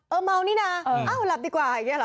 เมานี่นะเอ้าหลับดีกว่าอย่างนี้เหรอ